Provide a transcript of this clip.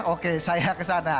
oke saya kesana